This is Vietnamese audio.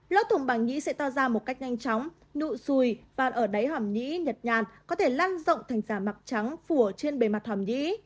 lớp thùng bằng nhĩ sẽ to ra một cách nhanh chóng nụ xùi và ở đáy hỏm nhĩ nhật nhàn có thể lan rộng thành giả mạc trắng phùa trên bề mặt hỏm nhĩ